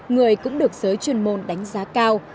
người cũng được giới chuyên môn đánh giá cao